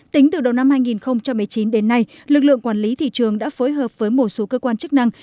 tính từ đầu năm hai nghìn một mươi chín đến nay lực lượng quản lý thị trường đã phối hợp với một số cơ quan chức năng